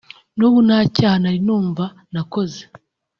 n’ubu nta cyaha nari numva nakoze